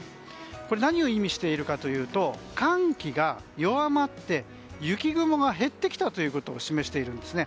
これ何を意味しているかというと寒気が弱まって雪雲が減ってきたことを示しているんですね。